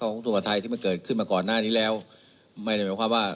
ของสุภาไทยที่มันเกิดขึ้นมาก่อนหน้านี้แล้วไม่ได้หมายความว่า